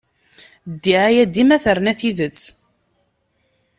Ddiɛaya dima terna tidet.